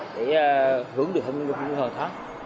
để hướng được hướng đến bảo hiểm xã hội tháng